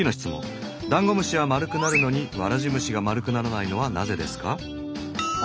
「ダンゴムシは丸くなるのにワラジムシが丸くならないのはなぜですか？」。え？